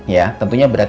ya tentunya berarti